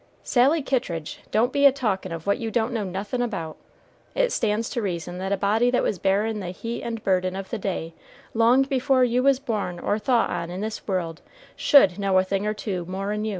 "Sally Kittridge, don't be a talkin' of what you don't know nothin' about! It stands to reason that a body that was bearin' the heat and burden of the day long before you was born or thought on in this world should know a thing or two more'n you.